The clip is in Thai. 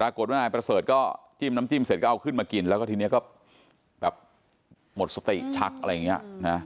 ปรากฏว่านายประเสริฐก็จิ้มน้ำจิ้มเสร็จก็เอาขึ้นมากินแล้วก็ทีนี้ก็แบบหมดสติชักอะไรอย่างนี้นะ